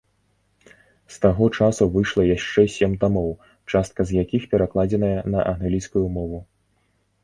З таго часу выйшла яшчэ сем тамоў, частка з якіх перакладзеная на англійскую мову.